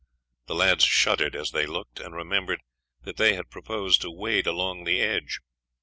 The lads shuddered as they looked, and remembered that they had proposed to wade along the edge.